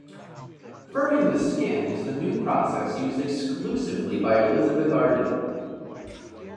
Firming the skin is the new process used exclusively by Elizabeth Arden.